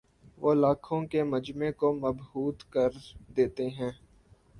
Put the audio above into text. وہ لاکھوں کے مجمعے کو مبہوت کر دیتے ہیں